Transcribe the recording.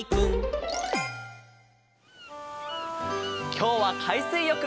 きょうはかいすいよく。